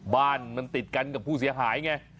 บ้านมันติดกันกับผู้เสียหายไง